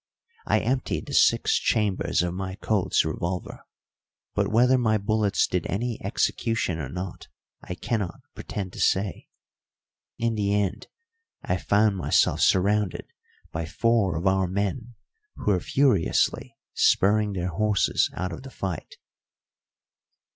I emptied the six chambers of my Colt's revolver, but whether my bullets did any execution or not I cannot pretend to say. In the end I found myself surrounded by four of our men who were furiously spurring their horses out of the fight.